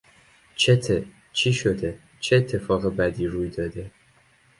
چته؟، چی شده؟، چه اتفاق بدی روی داده؟